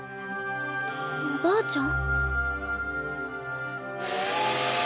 おばあちゃん？